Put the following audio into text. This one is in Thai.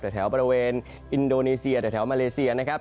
แต่แถวบริเวณอินโดนีเซียแต่แถวมาเลเซียนะครับ